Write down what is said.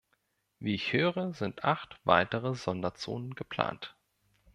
Wie ich höre, sind acht weitere Sonderzonen geplant.